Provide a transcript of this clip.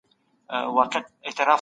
ټولنیز علوم په ښوونځیو کي تدریس سوي وو.